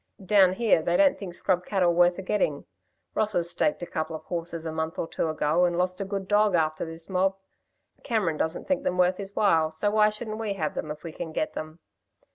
Down here they don't think scrub cattle worth the getting. Rosses staked a couple of horses a month or two ago, and lost a good dog after this mob. Cameron doesn't think them worth his while, so why shouldn't we have them if we can get them.